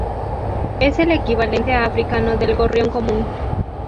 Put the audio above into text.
Es el equivalente africano del gorrión común.